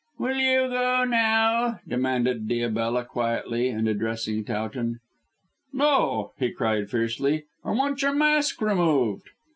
"Will you go now?" demanded Diabella quietly and addressing Towton. "No," he cried fiercely. "I want your mask removed."